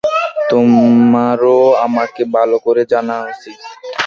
তোমারও আমাকে ভালো করে জানা উচিত।